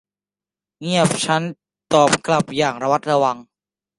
เงียบ ฉันตอบกลับอย่างระมัดระวัง